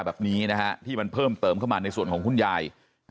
แบบนี้นะฮะที่มันเพิ่มเติมเข้ามาในส่วนของคุณยาย